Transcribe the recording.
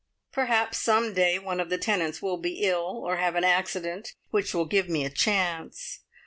Perhaps some day one of the tenants will be ill, or have an accident, which will give me a chance.